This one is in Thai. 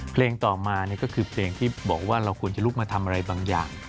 เพลงต่อมาก็คือเพลงที่บอกว่าเราควรจะลุกมาทำอะไรบางอย่าง